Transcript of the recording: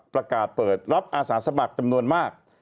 ประกาศเปิดรับอาสาสมัครจำนวนมาก